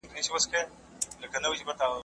عبدالروف بینوا